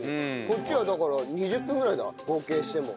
こっちはだから２０分ぐらいだ合計しても。